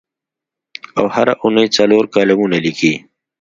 او هره اوونۍ څلور کالمونه لیکي.